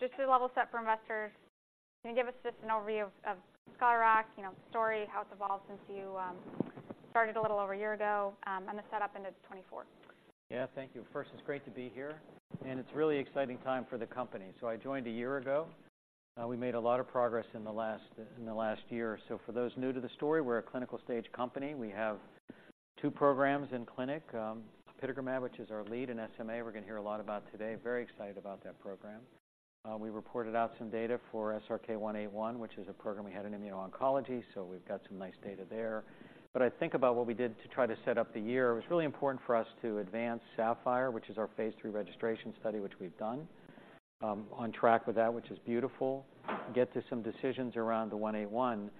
Just to level set for investors, can you give us just an overview of Scholar Rock, you know, the story, how it's evolved since you started a little over a year ago, and the setup into 2024? Yeah, thank you. First, it's great to be here, and it's a really exciting time for the company. So I joined a year ago. We made a lot of progress in the last, in the last year. So for those new to the story, we're a clinical stage company. We have two programs in clinic, apitegromab, which is our lead in SMA. We're going to hear a lot about today. Very excited about that program. We reported out some data for SRK-181, which is a program we had in immuno-oncology, so we've got some nice data there. But I think about what we did to try to set up the year. It was really important for us to advance SAPPHIRE, which is our Phase 3 registration study, which we've done, on track with that, which is beautiful, get to some decisions around the 181.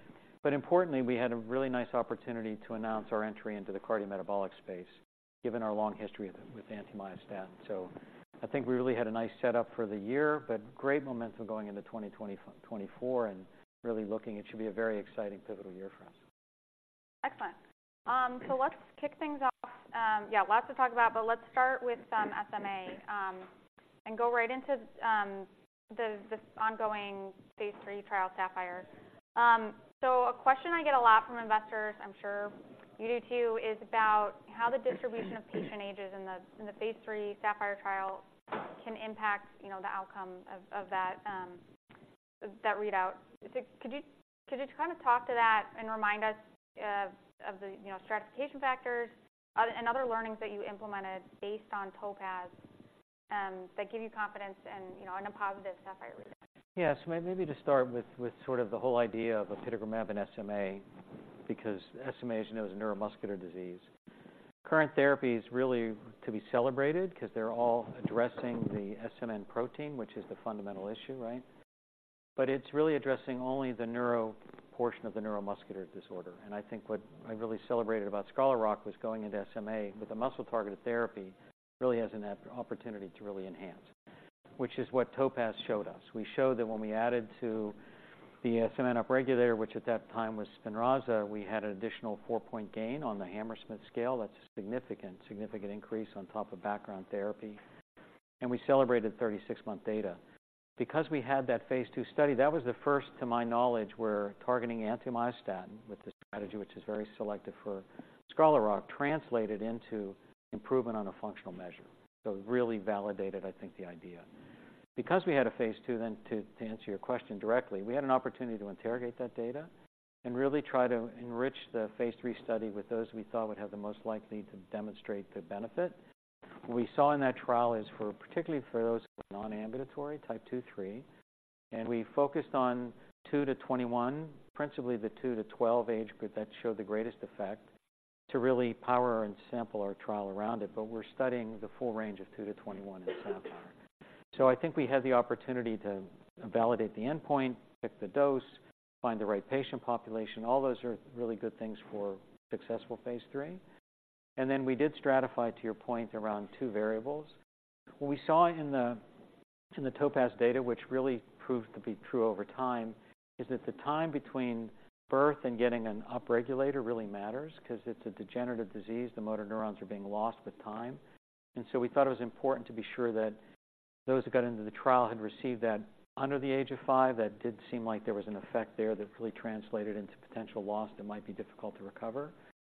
But importantly, we had a really nice opportunity to announce our entry into the cardiometabolic space, given our long history with, with anti-myostatin. So I think we really had a nice setup for the year, but great momentum going into 2024 and really looking... It should be a very exciting, pivotal year for us. Excellent. So let's kick things off. Yeah, lots to talk about, but let's start with some SMA, and go right into the ongoing phase III trial, SAPPHIRE. So a question I get a lot from investors, I'm sure you do, too, is about how the distribution of patient ages in the phase III SAPPHIRE trial can impact, you know, the outcome of that readout. Could you just kind of talk to that and remind us of the stratification factors and other learnings that you implemented based on TOPAZ that give you confidence, you know, in a positive SAPPHIRE readout? Yes. Maybe to start with, with sort of the whole idea of apitegromab and SMA, because SMA, as you know, is a neuromuscular disease. Current therapies really to be celebrated because they're all addressing the SMN protein, which is the fundamental issue, right? But it's really addressing only the neuro portion of the neuromuscular disorder. And I think what I really celebrated about Scholar Rock was going into SMA with a muscle-targeted therapy, really has an opportunity to really enhance, which is what TOPAZ showed us. We showed that when we added to the SMN upregulator, which at that time was Spinraza, we had an additional 4-point gain on the Hammersmith scale. That's a significant, significant increase on top of background therapy, and we celebrated 36-month data. Because we had that phase II study, that was the first, to my knowledge, where targeting anti-myostatin with the strategy, which is very selective for Scholar Rock, translated into improvement on a functional measure. So it really validated, I think, the idea. Because we had a phase II, then to answer your question directly, we had an opportunity to interrogate that data and really try to enrich the phase III study with those we thought would have the most likely to demonstrate the benefit. What we saw in that trial is for, particularly for those non-ambulatory type 2-3, and we focused on 2-21, principally the 2-12 age group, that showed the greatest effect, to really power and sample our trial around it. But we're studying the full range of 2-21 in SAPPHIRE. So I think we had the opportunity to validate the endpoint, pick the dose, find the right patient population. All those are really good things for successful Phase 3. And then we did stratify, to your point, around two variables. What we saw in the TOPAZ data, which really proved to be true over time, is that the time between birth and getting an upregulator really matters because it's a degenerative disease. The motor neurons are being lost with time. And so we thought it was important to be sure that those who got into the trial had received that under the age of five. That did seem like there was an effect there that really translated into potential loss that might be difficult to recover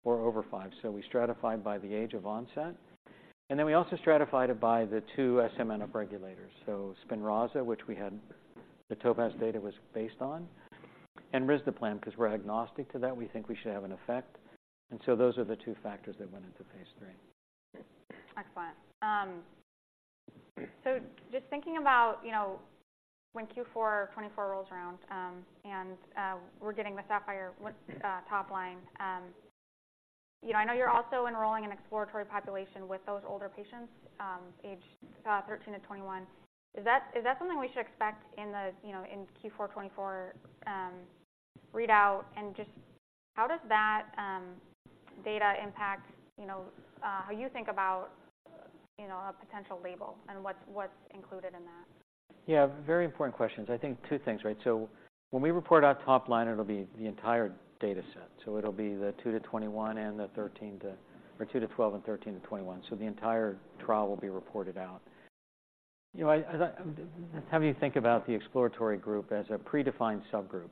or over five. So we stratified by the age of onset, and then we also stratified it by the two SMN upregulators. So, Spinraza, which we had the TOPAZ data was based on, and risdiplam, because we're agnostic to that, we think we should have an effect. And so those are the two factors that went into Phase 3. Excellent. So just thinking about, you know, when Q4 2024 rolls around, and we're getting the SAPPHIRE top-line, you know, I know you're also enrolling an exploratory population with those older patients, aged 13 to 21. Is that something we should expect in the, you know, in Q4 2024 readout? And just how does that data impact, you know, how you think about, you know, a potential label and what's included in that? Yeah, very important questions. I think two things, right? So when we report our top line, it'll be the entire data set. So it'll be the 2 to 21 and the 13 to... or 2 to 12 and 13 to 21. So the entire trial will be reported out. You know, I have you think about the exploratory group as a predefined subgroup,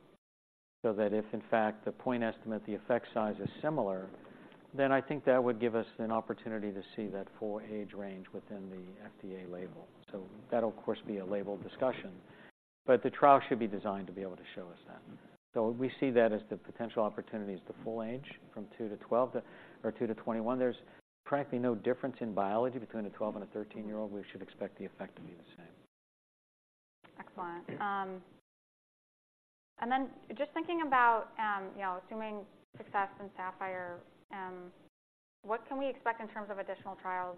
so that if in fact, the point estimate, the effect size is similar, then I think that would give us an opportunity to see that full age range within the FDA label. So that'll, of course, be a label discussion, but the trial should be designed to be able to show us that. So we see that as the potential opportunity is the full age, from 2 to 12 to- or 2 to 21. There's practically no difference in biology between a 12- and a 13-year-old. We should expect the effect to be the same. Excellent. And then just thinking about, you know, assuming success in SAPPHIRE, what can we expect in terms of additional trials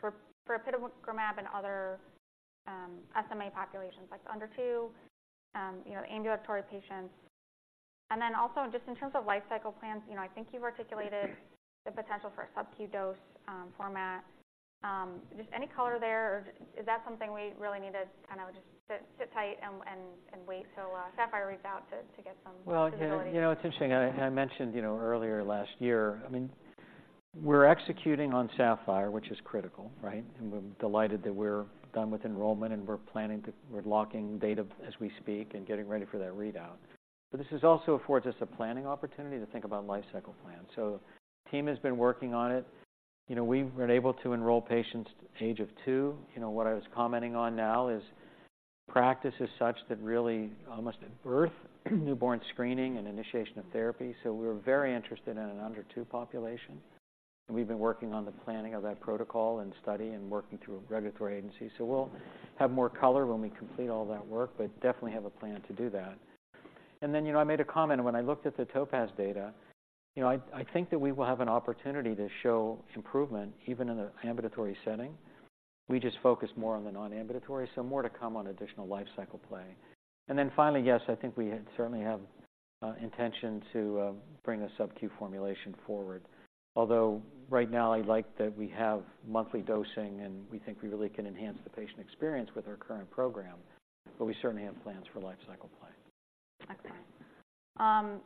for apitegromab and other SMA populations, like under two, you know, ambulatory patients? And then also just in terms of life cycle plans, you know, I think you've articulated the potential for a subQ dose format. Just any color there, or is that something we really need to kind of just sit tight and wait till SAPPHIRE reads out to get some visibility? Well, you know, it's interesting. I mentioned, you know, earlier last year. We're executing on SAPPHIRE, which is critical, right? And we're delighted that we're done with enrollment, and we're planning to lock data as we speak and getting ready for that readout. But this is also, for just a planning opportunity, to think about lifecycle plans. So the team has been working on it. You know, we've been able to enroll patients age 2. You know, what I was commenting on now is practice is such that really almost at birth, newborn screening and initiation of therapy. So we're very interested in an under 2 population. We've been working on the planning of that protocol and study and working through a regulatory agency. So we'll have more color when we complete all that work, but definitely have a plan to do that. And then, you know, I made a comment when I looked at the TOPAZ data. You know, I think that we will have an opportunity to show improvement even in an ambulatory setting. We just focus more on the non-ambulatory, so more to come on additional lifecycle play. And then finally, yes, I think we certainly have intention to bring a subQ formulation forward. Although right now, I like that we have monthly dosing, and we think we really can enhance the patient experience with our current program, but we certainly have plans for lifecycle play. Okay.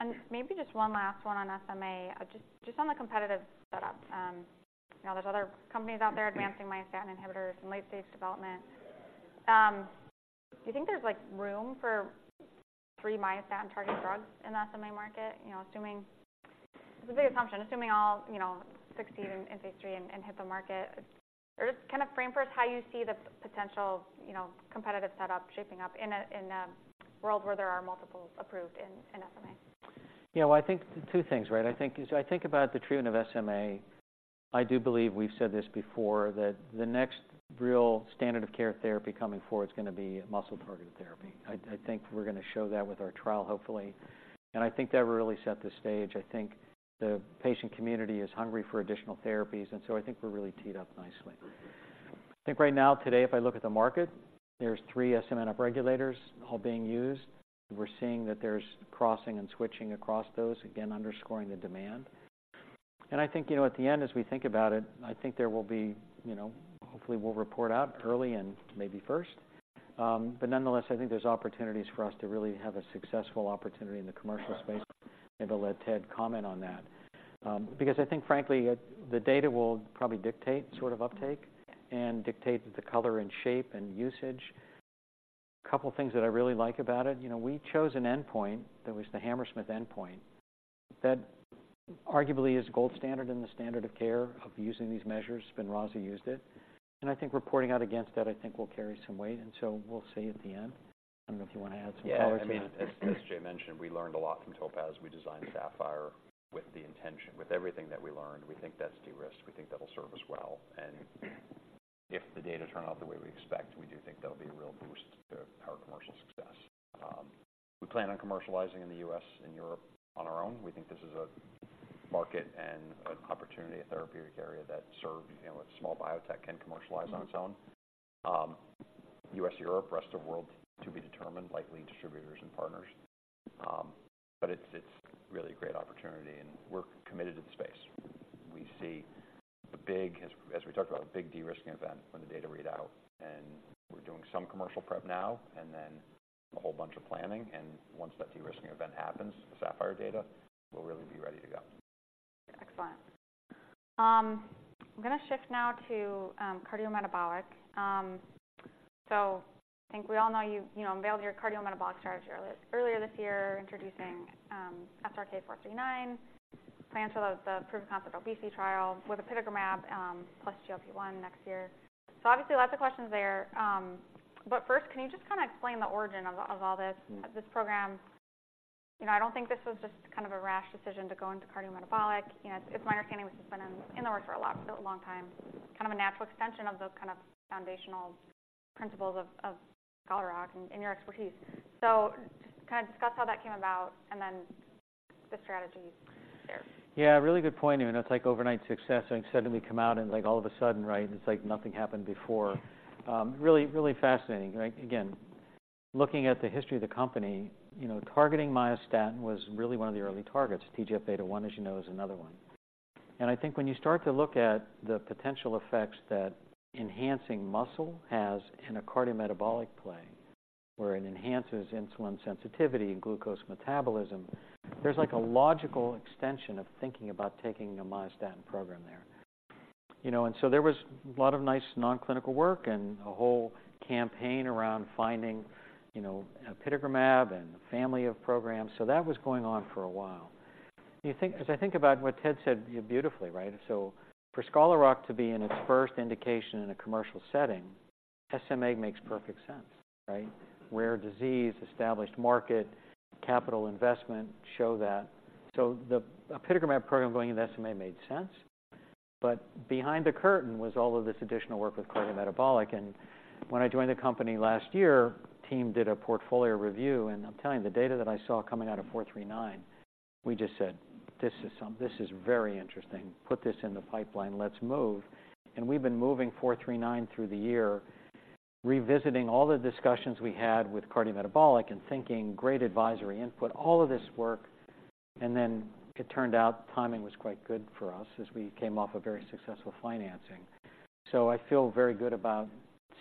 And maybe just one last one on SMA. Just, just on the competitive setup, you know, there's other companies out there advancing myostatin inhibitors in late-stage development. Do you think there's, like, room for three myostatin-targeting drugs in the SMA market? You know, assuming... It's a big assumption, assuming all, you know, succeed in, in phase III and, and hit the market. Or just kind of frame for us how you see the potential, you know, competitive setup shaping up in a, in a world where there are multiple approved in, in SMA. Yeah, well, I think two things, right? I think, as I think about the treatment of SMA, I do believe we've said this before, that the next real standard of care therapy coming forward is gonna be muscle-targeted therapy. I think we're gonna show that with our trial, hopefully, and I think that really set the stage. I think the patient community is hungry for additional therapies, and so I think we're really teed up nicely. I think right now, today, if I look at the market, there's 3 SMN upregulators all being used. We're seeing that there's crossing and switching across those, again, underscoring the demand. And I think, you know, at the end, as we think about it, I think there will be, you know... Hopefully, we'll report out early and maybe first. But nonetheless, I think there's opportunities for us to really have a successful opportunity in the commercial space. Maybe I'll let Ted comment on that. Because I think frankly, the data will probably dictate sort of uptake and dictate the color and shape and usage. A couple of things that I really like about it. You know, we chose an endpoint that was the Hammersmith endpoint. That arguably is gold standard in the standard of care of using these measures. Spinraza used it, and I think reporting out against that, I think, will carry some weight, and so we'll see at the end. I don't know if you want to add some color to that. Yeah, I mean, as Jay mentioned, we learned a lot from TOPAZ. We designed SAPPHIRE with the intention. With everything that we learned, we think that's de-risked. We think that'll serve us well, and if the data turn out the way we expect, we do think that'll be a real boost to our commercial success. We plan on commerciAllyzing in the U.S. and Europe on our own. We think this is a market and an opportunity, a therapeutic area that serves, you know, a small biotech can commerciAllyze on its own. U.S., Europe, rest of world to be determined, likely distributors and partners. But it's really a great opportunity, and we're committed to the space. We see the big de-risking event, as we talked about, when the data read out, and we're doing some commercial prep now and then a whole bunch of planning. And once that de-risking event happens, the SAPPHIRE data, we'll really be ready to go. Excellent. I'm gonna shift now to cardiometabolic. So I think we all know you, you know, unveiled your cardiometabolic strategy earlier, earlier this year, introducing SRK-439, plans for the proof of concept obesity trial with tirzepatide plus GLP-1 next year. So obviously, lots of questions there. But first, can you just kinda explain the origin of all, of all this, this program? You know, I don't think this was just kind of a rash decision to go into cardiometabolic. You know, it's my understanding this has been in the works for a long time, kind of a natural extension of those kind of foundational principles of Scholar Rock and your expertise. So just kinda discuss how that came about and then the strategy there. Yeah, a really good point. You know, it's like overnight success, and suddenly we come out and, like, all of a sudden, right? It's like nothing happened before. Really, really fascinating, right? Again, looking at the history of the company, you know, targeting myostatin was really one of the early targets. TGFβ1, as you know, is another one. And I think when you start to look at the potential effects that enhancing muscle has in a cardiometabolic play, where it enhances insulin sensitivity and glucose metabolism, there's like a logical extension of thinking about taking a myostatin program there. You know, and so there was a lot of nice non-clinical work and a whole campaign around finding, you know, apitegromab and a family of programs. So that was going on for a while. As I think about what Ted said beautifully, right? So for Scholar Rock to be in its first indication in a commercial setting, SMA makes perfect sense, right? Rare disease, established market, capital investment show that. So the apitegromab program going into SMA made sense, but behind the curtain was all of this additional work with cardiometabolic. And when I joined the company last year, the team did a portfolio review, and I'm telling you, the data that I saw coming out of 439, we just said: This is some- this is very interesting. Put this in the pipeline, let's move. And we've been moving 439 through the year, revisiting all the discussions we had with cardiometabolic and thinking, great advisory input, all of this work, and then it turned out timing was quite good for us as we came off a very successful financing.... So I feel very good about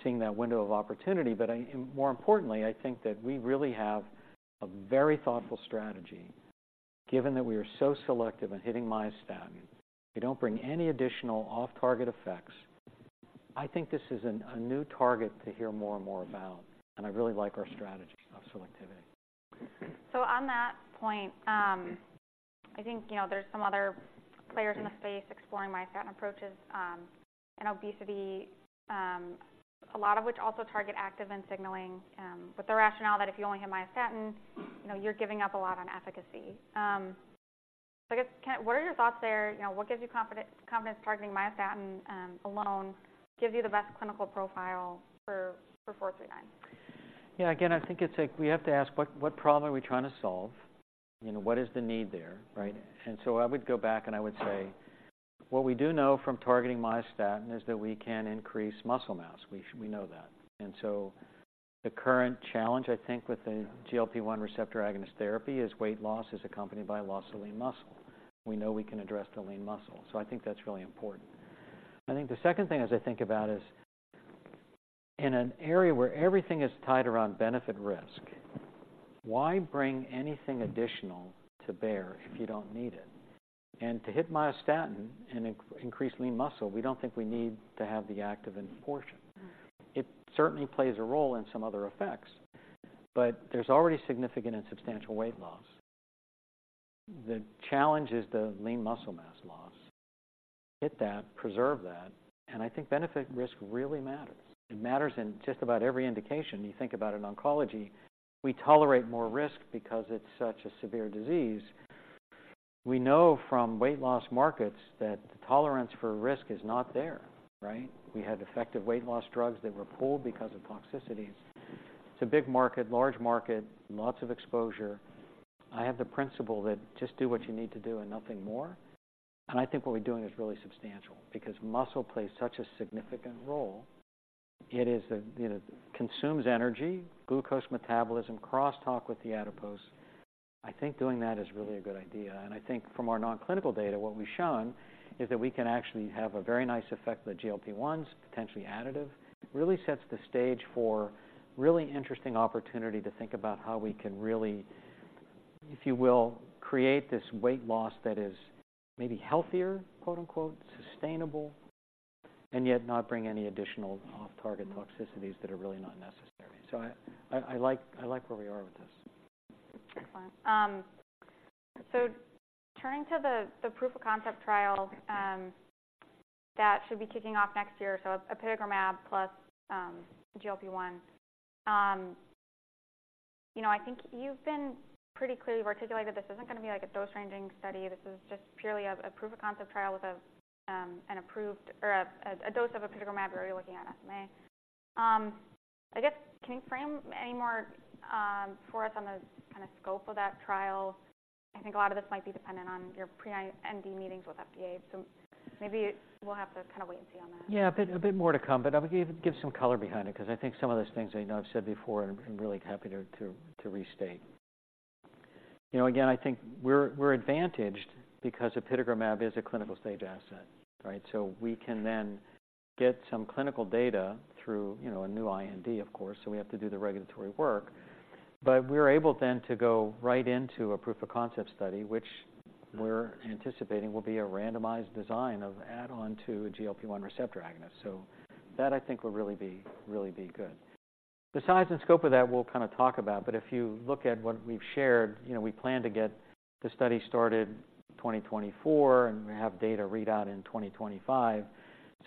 seeing that window of opportunity. But I, more importantly, I think that we really have a very thoughtful strategy, given that we are so selective in hitting myostatin. We don't bring any additional off-target effects. I think this is a new target to hear more and more about, and I really like our strategy of selectivity. So on that point, I think, you know, there's some other players in the space exploring myostatin approaches and obesity, a lot of which also target Activin signAllyng with the rationale that if you only hit myostatin, you know, you're giving up a lot on efficacy. So I guess, Ken, what are your thoughts there? You know, what gives you confidence targeting myostatin alone gives you the best clinical profile for 439? Yeah, again, I think it's like we have to ask, what, what problem are we trying to solve? You know, what is the need there, right? And so I would go back, and I would say, what we do know from targeting myostatin is that we can increase muscle mass. We, we know that. And so the current challenge, I think, with the GLP-1 receptor agonist therapy is weight loss is accompanied by loss of lean muscle. We know we can address the lean muscle, so I think that's really important. I think the second thing, as I think about, is in an area where everything is tied around benefit risk, why bring anything additional to bear if you don't need it? And to hit myostatin and increase lean muscle, we don't think we need to have the Activin portion. Mm-hmm. It certainly plays a role in some other effects, but there's already significant and substantial weight loss. The challenge is the lean muscle mass loss. Hit that, preserve that, and I think benefit risk really matters. It matters in just about every indication. You think about it in oncology, we tolerate more risk because it's such a severe disease. We know from weight loss markets that the tolerance for risk is not there, right? We had effective weight loss drugs that were pulled because of toxicities. It's a big market, large market, lots of exposure. I have the principle that just do what you need to do and nothing more. And I think what we're doing is really substantial because muscle plays such a significant role. It is a, you know, consumes energy, glucose metabolism, crosstalk with the adipose. I think doing that is really a good idea, and I think from our non-clinical data, what we've shown is that we can actually have a very nice effect, the GLP-1s, potentially additive. Really sets the stage for really interesting opportunity to think about how we can really, if you will, create this weight loss that is maybe healthier, quote, unquote, sustainable, and yet not bring any additional off-target toxicities that are really not necessary. So I like where we are with this. Excellent. So turning to the proof of concept trial that should be kicking off next year. So apitegromab plus GLP-1. You know, I think you've been pretty clearly articulated this isn't gonna be like a dose-ranging study. This is just purely a proof of concept trial with an approved or a dose of apitegromab where you're looking at SMA. I guess, can you frame any more for us on the kind of scope of that trial? I think a lot of this might be dependent on your pre-IND meetings with FDA, so maybe we'll have to kind of wait and see on that. Yeah, a bit more to come, but I'll give some color behind it because I think some of those things I know I've said before, and I'm really happy to restate. You know, again, I think we're advantaged because apitegromab is a clinical stage asset, right? So we can then get some clinical data through, you know, a new IND, of course, so we have to do the regulatory work. But we're able then to go right into a proof of concept study, which we're anticipating will be a randomized design of add-on to a GLP-1 receptor agonist. So that, I think, will really be good. The size and scope of that, we'll kind of talk about, but if you look at what we've shared, you know, we plan to get the study started 2024, and we have data readout in 2025.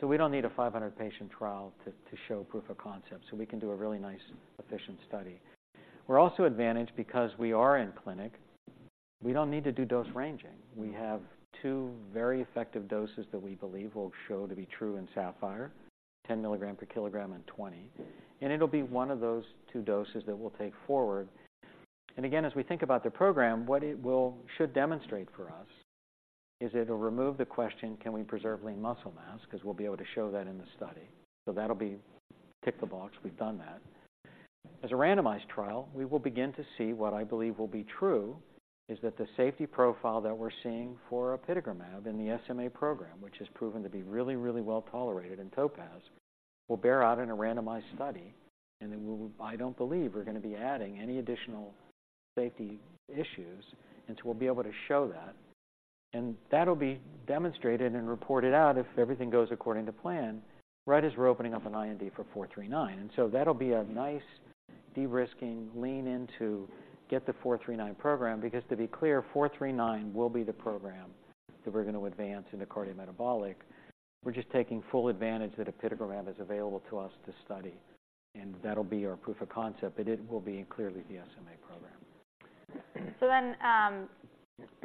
So we don't need a 500-patient trial to show proof of concept, so we can do a really nice, efficient study. We're also advantaged because we are in clinic. We don't need to do dose ranging. We have two very effective doses that we believe will show to be true in SAPPHIRE, 10 mg/kg and 20 mg/kg, and it'll be one of those two doses that we'll take forward. And again, as we think about the program, what it will... should demonstrate for us is it'll remove the question, can we preserve lean muscle mass? Because we'll be able to show that in the study. So that'll be tick the box. We've done that. As a randomized trial, we will begin to see what I believe will be true, is that the safety profile that we're seeing for apitegromab in the SMA program, which has proven to be really, really well tolerated in TOPAZ, will bear out in a randomized study. And then we'll- I don't believe we're going to be adding any additional safety issues, and so we'll be able to show that. And that'll be demonstrated and reported out if everything goes according to plan, right as we're opening up an IND for 439. And so that'll be a nice de-risking lean in to get the 439 program, because to be clear, 439 will be the program that we're going to advance in the cardiometabolic. We're just taking full advantage that apitegromab is available to us to study, and that'll be our proof of concept, but it will be clearly the SMA program. So then,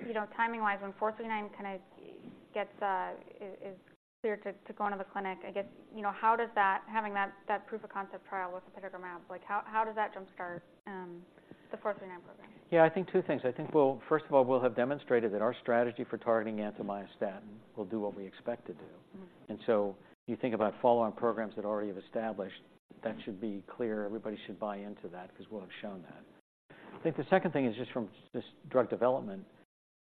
you know, timing-wise, when 439 kind of gets, is clear to go into the clinic, I guess, you know, how does that, having that proof of concept trial with apitegromab, like, how does that jumpstart the 439 program? Yeah, I think two things. I think we'll, first of all, we'll have demonstrated that our strategy for targeting anti-myostatin will do what we expect it to do. Mm-hmm. And so you think about follow-on programs that already have established, that should be clear. Everybody should buy into that because we'll have shown that. I think the second thing is just from drug development.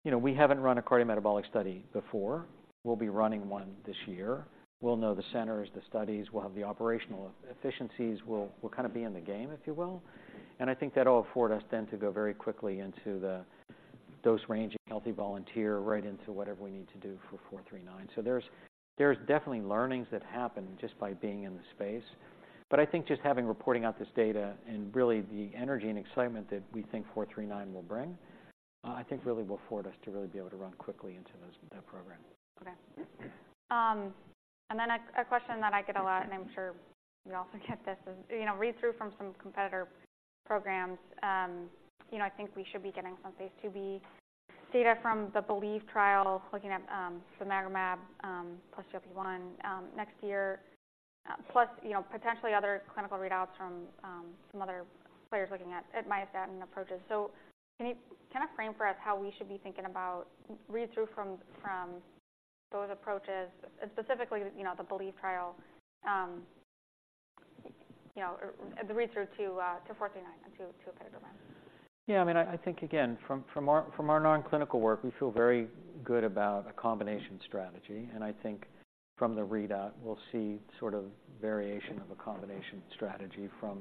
You know, we haven't run a cardiometabolic study before. We'll be running one this year. We'll know the centers, the studies. We'll have the operational efficiencies. We'll kind of be in the game, if you will. And I think that'll afford us then to go very quickly into the dose range of healthy volunteer, right into whatever we need to do for 439. So there's definitely learnings that happen just by being in the space. But I think just having reporting out this data and really the energy and excitement that we think 439 will bring, I think really will afford us to really be able to run quickly into those, that program. Okay. And then a question that I get a lot, and I'm sure you also get this, is, you know, read through from some competitor programs. You know, I think we should be getting some phase 2b data from the BELIEVE trial, looking at semaglutide plus GLP-1 next year. Plus, you know, potentially other clinical readouts from some other players looking at myostatin approaches. So can you kind of frame for us how we should be thinking about read-through from those approaches, and specifically, you know, the BELIEVE trial? You know, or the read-through to SRK-439 and to apitegromab. Yeah, I mean, I think, again, from our non-clinical work, we feel very good about a combination strategy. And I think from the readout, we'll see sort of variation of a combination strategy from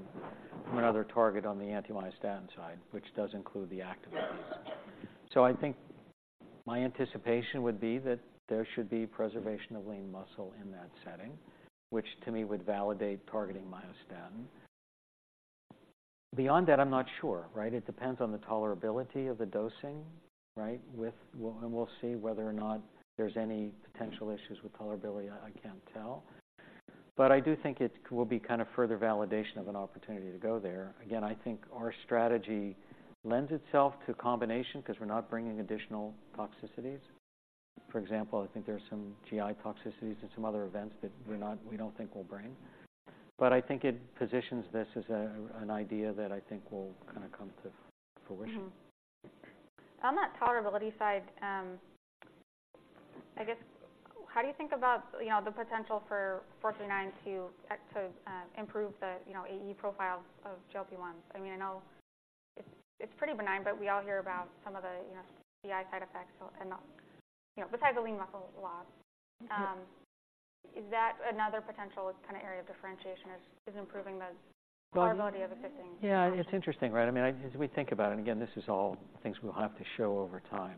another target on the anti-myostatin side, which does include the Activin A. So I think my anticipation would be that there should be preservation of lean muscle in that setting, which to me would vAllydate targeting myostatin. Beyond that, I'm not sure, right? It depends on the tolerability of the dosing, right? We'll see whether or not there's any potential issues with tolerability. I can't tell. But I do think it will be kind of further vAllydation of an opportunity to go there. Again, I think our strategy lends itself to combination 'cause we're not bringing additional toxicities. For example, I think there are some GI toxicities and some other events that we don't think we'll bring. But I think it positions this as a, an idea that I think will kinda come to fruition. Mm-hmm. On that tolerability side, I guess, how do you think about, you know, the potential for SRK-439 to act to improve the, you know, AE profile of GLP-1s? I mean, I know it's, it's pretty benign, but we all hear about some of the, you know, GI side effects and not, you know, besides the lean muscle loss. Is that another potential kind of area of differentiation, improving the tolerability of assisting? Yeah, it's interesting, right? I mean, as we think about it, and again, this is all things we'll have to show over time.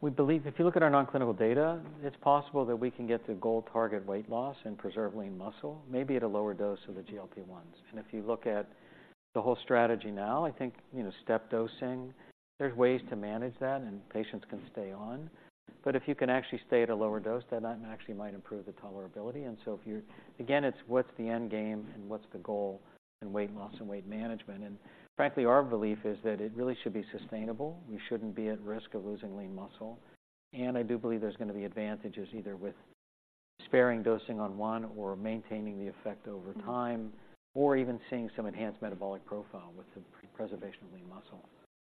We believe if you look at our non-clinical data, it's possible that we can get to goal target weight loss and preserve lean muscle, maybe at a lower dose of the GLP-1s. And if you look at the whole strategy now, I think, you know, step dosing, there's ways to manage that, and patients can stay on. But if you can actually stay at a lower dose, then that actually might improve the tolerability. And so if you're... Again, it's what's the end game and what's the goal in weight loss and weight management? And frankly, our belief is that it really should be sustainable. We shouldn't be at risk of losing lean muscle, and I do believe there's gonna be advantages either with sparing dosing on one or maintaining the effect over time- Mm-hmm. or even seeing some enhanced metabolic profile with the preservation of lean muscle.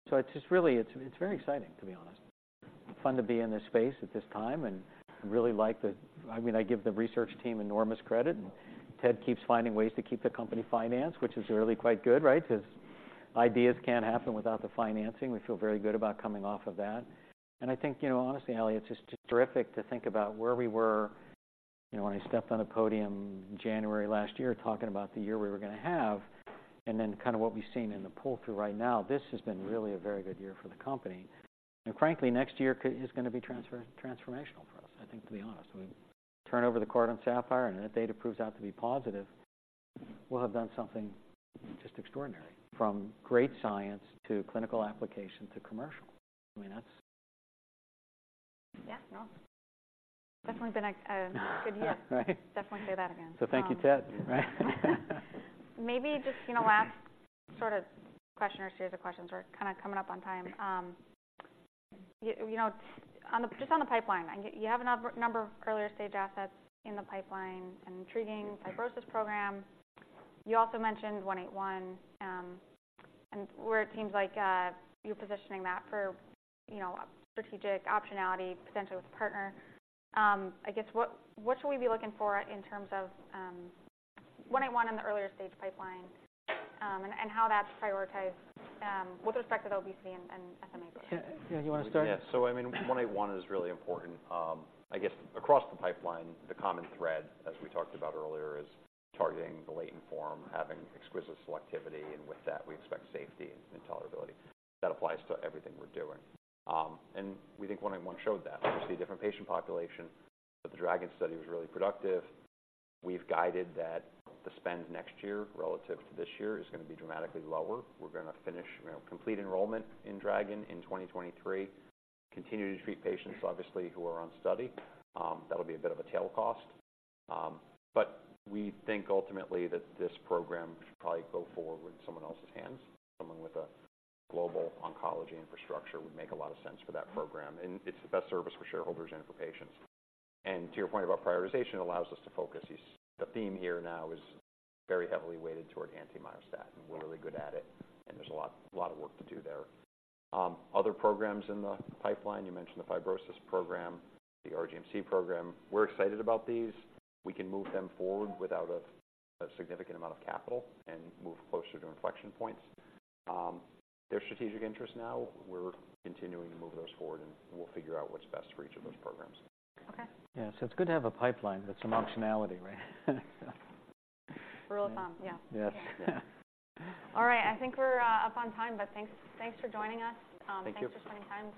So it's just really, it's, it's very exciting, to be honest. Fun to be in this space at this time, and I really like the... I mean, I give the research team enormous credit, and Ted keeps finding ways to keep the company financed, which is really quite good, right? 'Cause ideas can't happen without the financing. We feel very good about coming off of that. And I think, you know, honestly, Ally, it's just terrific to think about where we were, you know, when I stepped on a podium in January last year, talking about the year we were gonna have, and then kind of what we've seen in the pull-through right now. This has been really a very good year for the company. And frankly, next year is gonna be transformational for us, I think, to be honest. We turn over the card on SAPPHIRE, and if that data proves out to be positive, we'll have done something just extraordinary, from great science to clinical application to commercial. I mean, that's- Yeah, no. Definitely been a good year. Right. Definitely say that again. Thank you, Ted. Right? Maybe just, you know, last sort of question or series of questions. We're kinda coming up on time. You know, on the, just on the pipeline, you, you have a number of earlier-stage assets in the pipeline, an intriguing fibrosis program. You also mentioned 181, and where it seems like, you're positioning that for, you know, strategic optionAllyty, potentially with a partner. I guess, what, what should we be looking for in terms of, 181 in the earlier stage pipeline, and, and how that's prioritized, with respect to obesity and, and SMA? Yeah. You wanna start? Yeah. So I mean, SRK-181 is really important. I guess across the pipeline, the common thread, as we talked about earlier, is targeting the latent form, having exquisite selectivity, and with that, we expect safety and tolerability. That applies to everything we're doing. And we think SRK-181 showed that. Obviously, a different patient population, but the DRAGON study was really productive. We've guided that the spend next year relative to this year is gonna be dramatically lower. We're gonna finish, you know, complete enrollment in DRAGON in 2023, continue to treat patients, obviously, who are on study. That'll be a bit of a tail cost. But we think ultimately that this program should probably go forward in someone else's hands. Someone with a global oncology infrastructure would make a lot of sense for that program, and it's the best service for shareholders and for patients. To your point about prioritization, it allows us to focus. The theme here now is very heavily weighted toward anti-myostatin. Yeah. We're really good at it, and there's a lot, a lot of work to do there. Other programs in the pipeline, you mentioned the fibrosis program, the RGMC program. We're excited about these. We can move them forward without a significant amount of capital and move closer to inflection points. There's strategic interest now. We're continuing to move those forward, and we'll figure out what's best for each of those programs. Okay. Yeah, so it's good to have a pipeline. That's some optionality, right? Rule of thumb, yeah. Yes. Yeah. All right, I think we're up on time, but thanks, thanks for joining us. Thank you. Thanks for spending time.